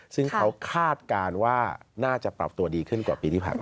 ซึ่งเขาคาดการณ์ว่าน่าจะปรับตัวดีขึ้นกว่าปีที่ผ่านมา